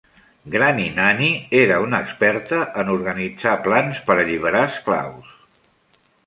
Granny Nanny era una experta en organitzar plans per alliberar esclaus.